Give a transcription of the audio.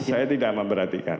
saya tidak memperhatikan